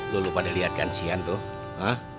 lo lupa deh liat kan sian tuh